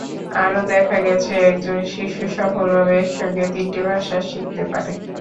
আরও দেখা গেছে, একজন শিশু সফলভাবে একসঙ্গে তিনটি ভাষা শিখতে পারে।